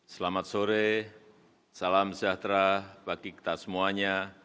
selamat sore salam sejahtera bagi kita semuanya